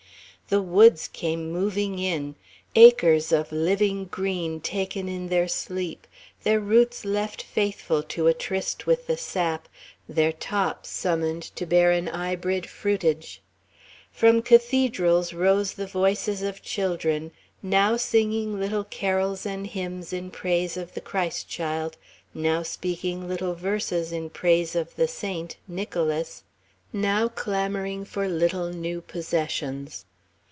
The woods came moving in acres of living green, taken in their sleep, their roots left faithful to a tryst with the sap, their tops summoned to bear an hybrid fruitage. From cathedrals rose the voices of children now singing little carols and hymns in praise of the Christ child, now speaking little verses in praise of the saint, Nicholas, now clamouring for little new possessions.